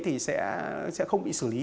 thì sẽ không bị xử lý